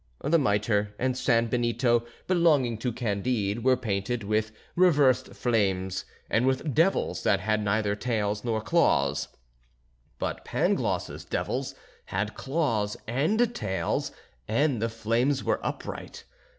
The mitre and san benito belonging to Candide were painted with reversed flames and with devils that had neither tails nor claws; but Pangloss's devils had claws and tails and the flames were upright.